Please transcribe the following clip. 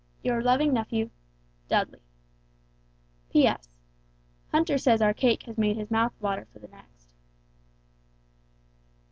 "Your loving nephew "DUDLEY. "P.S. Hunter says our cake has made his mouth water for the next."